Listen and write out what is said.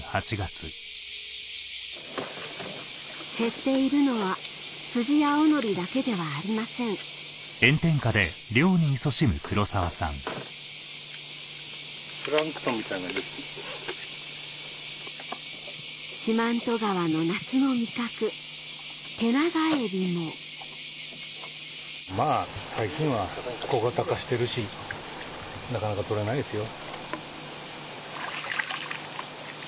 減っているのはスジアオノリだけではありません四万十川の夏の味覚テナガエビもまぁ最近は小型化してるしなかなか捕れないですよ。